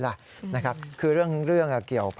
ท่านก็ให้เกียรติผมท่านก็ให้เกียรติผม